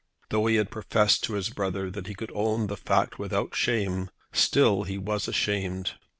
Though he had professed to his brother that he could own the fact without shame, still he was ashamed.